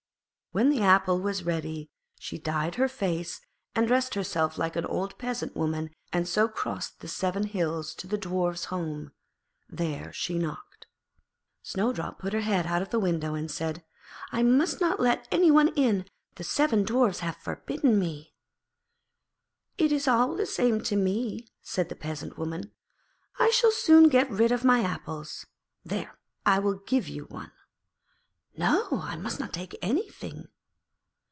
When the apple was ready she dyed her face and dressed herself like an old Peasant Woman and so crossed the seven hills to the Dwarfs' home. There she knocked. Snowdrop put her head out of the window and said, 'I must not let any one in, the seven Dwarfs have forbidden me.' 'It is all the same to me,' said the Peasant Woman. 'I shall soon get rid of my apples. There, I will give you one.' 'No; I must not take anything.'